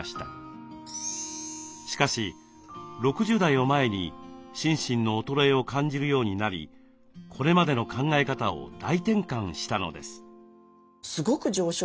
しかし６０代を前に心身の衰えを感じるようになりこれまでの考え方を大転換したのです。